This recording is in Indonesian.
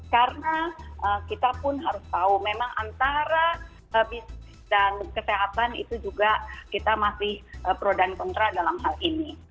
karena kita pun harus tahu memang antara bisnis dan kesehatan itu juga kita masih pro dan kontra dalam hal ini